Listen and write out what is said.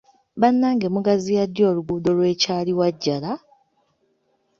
Bannange mugaziya ddi oluguudo lw’e Kyaliwajjala?